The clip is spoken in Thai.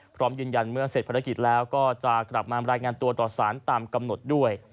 พร้อมยืนยันเมื่อเสร็จภารกิจแล้วก็จะกลับมารายงานตัวต่อสารตามกำหนดด้วย